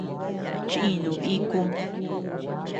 Chinu bikum.